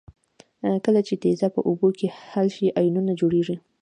کله چې تیزاب په اوبو کې حل شي آیونونه جوړیږي.